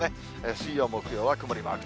水曜、木曜は曇りマーク。